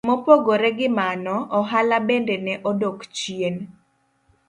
Mopogore gi mano, ohala bende ne odok chien.